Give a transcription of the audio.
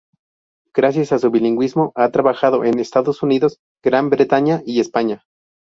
Gracias a su bilingüismo ha trabajado en Estados Unidos, Gran Bretaña y España.